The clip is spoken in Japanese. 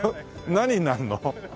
何になるの？